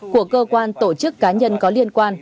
của cơ quan tổ chức cá nhân có liên quan